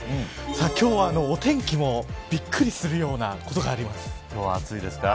今日は、お天気もびっくりするようなことが今日は暑いですか。